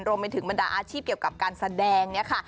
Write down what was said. บรรดาอาชีพเกี่ยวกับการแสดงเนี่ยค่ะ